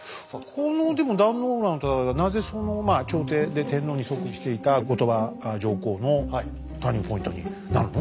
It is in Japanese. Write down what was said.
このでも壇の浦の戦いがなぜそのまあ朝廷で天皇に即位していた後鳥羽上皇のターニングポイントになるの？